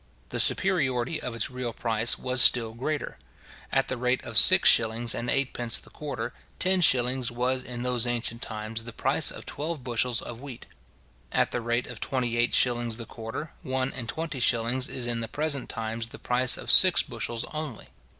The superiority of its real price was still greater. At the rate of six shillings and eightpence the quarter, ten shillings was in those ancient times the price of twelve bushels of wheat. At the rate of twenty eight shillings the quarter, one and twenty shillings is in the present times the price of six bushels only.